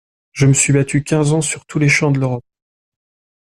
Je me suis battu quinze ans sur tous les champs de l'Europe!